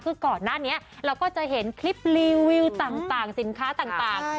คือก่อนหน้านี้เราก็จะเห็นคลิปรีวิวต่างสินค้าต่าง